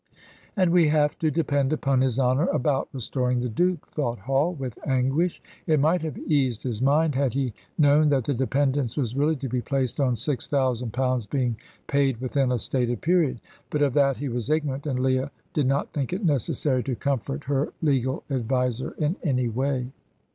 "And we have to depend upon his honour about restoring the Duke," thought Hall, with anguish. It might have eased his mind had he known that the dependence was really to be placed on six thousand pounds being paid within a stated period. But of that he was ignorant, and Leah did not think it necessary to comfort her legal adviser in any way.